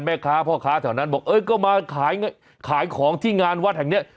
พ่อค้าแถวนั้นบอกเอ้ยก็มาขายของที่งานวัดแห่งนี้